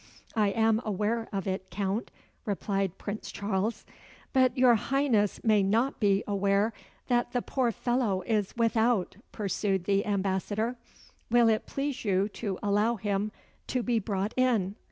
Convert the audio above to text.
"I am aware of it, Count," replied Prince Charles. "But your Highness may not be aware that the poor fellow is without," pursued the Ambassador. "Will it please you to allow him to be brought in?"